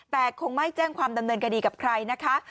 แต่คงไม่แจ้งความดำเนินคดีกับใครนะคะ